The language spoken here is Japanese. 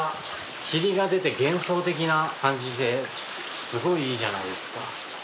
霧が出て幻想的な感じですごいいいじゃないですか。